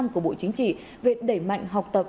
của bộ chính trị về đẩy mạnh học tập